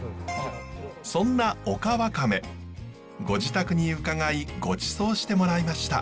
そんなオカワカメご自宅に伺いごちそうしてもらいました。